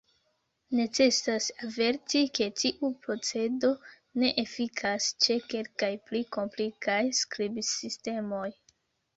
Necesas averti, ke tiu procedo ne efikas ĉe kelkaj pli komplikaj skribsistemoj.